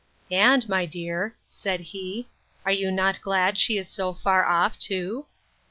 —And, my dear, said he, are you not glad she is so far off too?